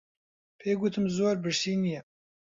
پێی گوتم زۆر برسی نییە.